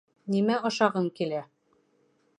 Нимә ашағың килә?!